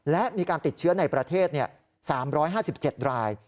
และมีการติดเชื้อในประเทศ๓๕๗ราย